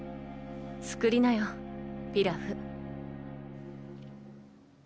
作りなよピラフ。